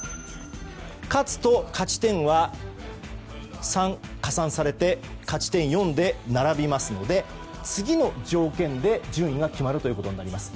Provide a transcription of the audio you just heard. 勝つと勝ち点は３加算されて勝ち点４で並びますので、次の条件で順位が決まるということになります。